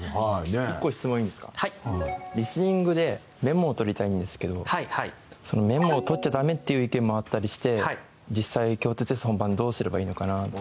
リスニングでメモを取りたいんですけどメモを取っちゃダメっていう意見もあったりして実際共通テストの本番どうすればいいのかなって。